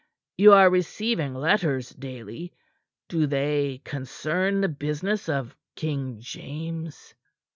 You are receiving letters daily. Do they concern the business of King James?"